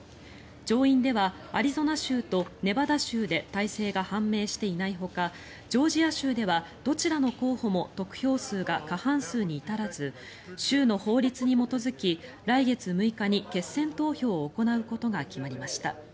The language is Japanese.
上院ではアリゾナ州とネバダ州で大勢が判明していないほかジョージア州ではどちらの候補も得票数が過半数に至らず州の法律に基づき来月６日に決選投票を行うことが決まりました。